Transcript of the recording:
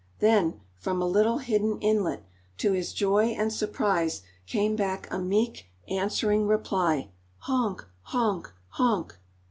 Then from a little hidden inlet, to his joy and surprise, came back a meek, answering reply "honk, honk, honk."